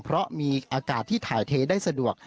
เพราะมีอากาศที่ถ่ายเทได้สะดวก